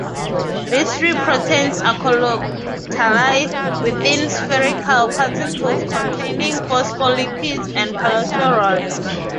These three proteins are colocalized within spherical particles containing phospholipids and cholesterol.